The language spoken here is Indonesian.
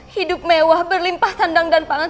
hidup mewah berlimpah kandang dan pangan